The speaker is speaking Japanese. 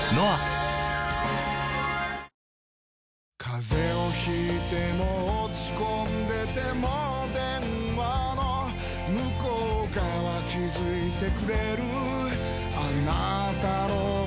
風邪を引いても落ち込んでても電話の向こう側気付いてくれるあなたの声